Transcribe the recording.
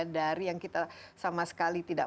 dari yang kita sama sekali tidak